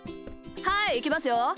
はいいきますよ。